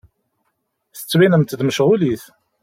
Tettbinem-d mecɣulit.